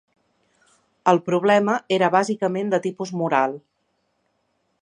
El problema era bàsicament de tipus moral.